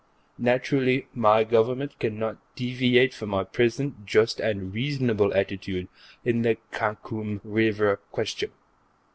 Naturally, my Government cannot deviate from our present just and reasonable attitude in the Khakum River question.